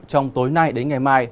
trong tối nay đến ngày mai